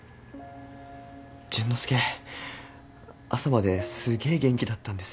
淳之介朝まですげえ元気だったんですよ。